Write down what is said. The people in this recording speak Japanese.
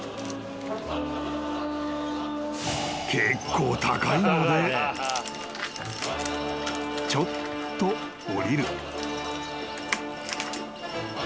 ［結構高いのでちょっと下りる］